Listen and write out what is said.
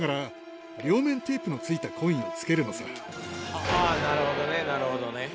あぁなるほどねなるほどね。